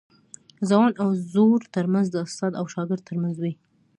ځوان او زوړ ترمنځ د استاد او شاګرد ترمنځ وي.